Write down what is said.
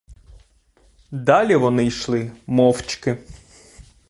Далі вони йшли мовчки.